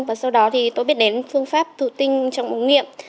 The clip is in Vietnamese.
và sau đó thì tôi biết đến phương pháp thủ tinh trong ứng nghiệm